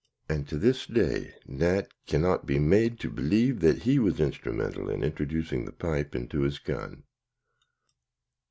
And to this day Nat cannot be made to believe that he was instrumental in introducing the pipe into his gun.